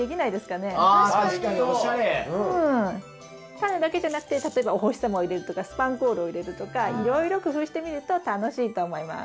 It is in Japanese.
タネだけじゃなくて例えばお星様を入れるとかスパンコールを入れるとかいろいろ工夫してみると楽しいと思います。